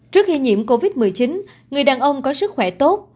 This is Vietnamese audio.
trước khi nhiễm covid một mươi chín người đàn ông có sức khỏe tốt